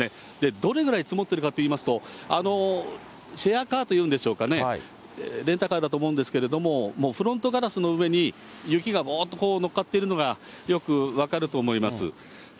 どれぐらい積もっているかといいますと、シェアカーというんでしょうかね、レンタカーだと思うんですけれども、フロントガラスの上に雪がぼんとのっかっているのがよく分かると思います。